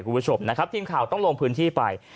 คุณผู้ชมนะครับทีมข่าวต้องลงพื้นที่ไป